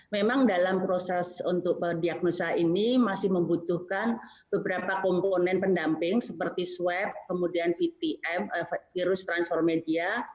memang dalam proses untuk diagnosa ini masih membutuhkan beberapa komponen pendamping seperti swab kemudian vtm virus transformdia